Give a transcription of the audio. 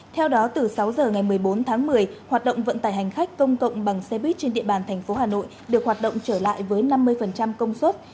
theo đó từ sáu giờ ngày một mươi bốn tháng một mươi hoạt động vận tải hành khách công cộng bằng xe buýt trên địa bàn thành phố hà nội được hoạt động trở lại với năm mươi công suất